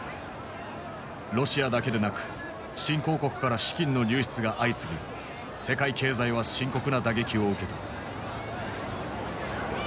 ロシアだけでなく新興国から資金の流出が相次ぎ世界経済は深刻な打撃を受けた。